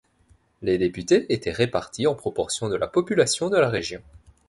Les députés étaient répartis en proportion de la population de la région.